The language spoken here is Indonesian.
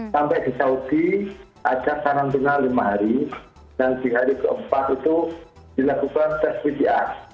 sampai di saudi ada karantina lima hari dan di hari keempat itu dilakukan tes pcr